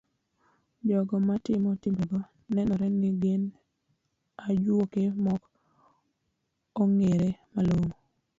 Jogo matimo timbego nenore ni gin ajuoke maok ong'ere malong'o.